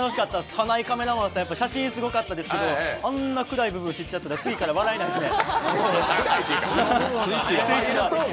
花井カメラマンさん、写真すごかったですけど、あんな暗い部分知っちゃったら次から笑えないですね。